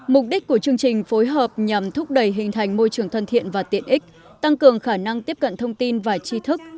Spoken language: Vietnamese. mục đích của chương trình phối hợp nhằm thúc đẩy hình thành môi trường thân thiện và tiện ích tăng cường khả năng tiếp cận thông tin và chi thức